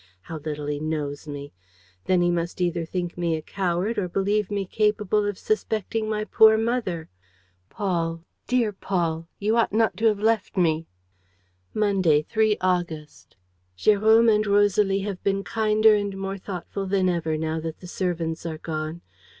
How little he knows me! Then he must either think me a coward or believe me capable of suspecting my poor mother! ... Paul, dear Paul, you ought not to have left me. ... "Monday, 3 August. "Jérôme and Rosalie have been kinder and more thoughtful than ever, now that the servants are gone.